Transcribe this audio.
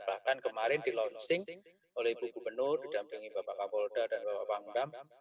bahkan kemarin di launching oleh ibu gubernur didampingi bapak kapolda dan bapak pangdam